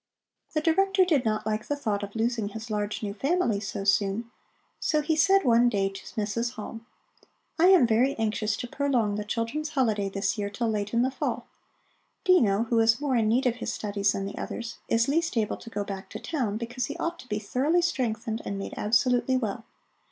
The Director did not like the thought of losing his large new family so soon, so he said one day to Mrs. Halm: "I am very anxious to prolong the children's holiday this year till late in the fall. Dino, who is more in need of his studies than the others, is least able to go back to town, because he ought to be thoroughly strengthened and made absolutely well.